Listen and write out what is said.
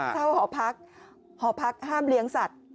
หอพักหอพักห้ามเลี้ยงสัตว์